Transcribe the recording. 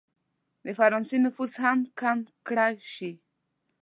د فرانسې نفوذ هم کم کړه شي.